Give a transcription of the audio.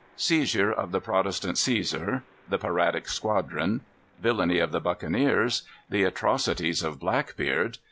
_ Seizure of the Protestant Cæsar. The Piratic Squadron. Villany of the Buccaneers. The Atrocities of Blackbeard.